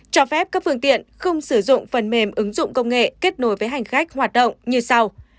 cho phép các phương tiện không sử dụng phần mềm ứng dụng công nghệ kết nối với hành khách hoạt động như sau